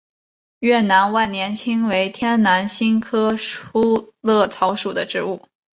越南万年青为天南星科粗肋草属的植物。